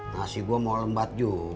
nasi gue mau lembat ju